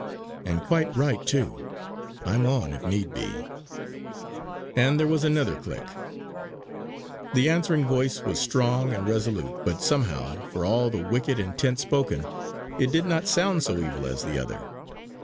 "And quite right too. I'm on if need be!" and there was another click. The answering voice was strong and resolute, but somehow, for all the wicked intent spoken, it did not sound so evil as the other.